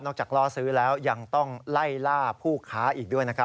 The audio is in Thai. จากล่อซื้อแล้วยังต้องไล่ล่าผู้ค้าอีกด้วยนะครับ